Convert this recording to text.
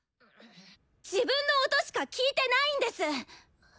自分の音しか聴いてないんです！